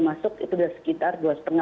masuk itu sudah sekitar dua lima